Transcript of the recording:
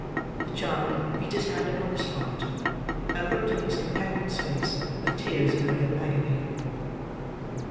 The child beat his hand upon his heart; and looked in his companion's face, with tears of real agony.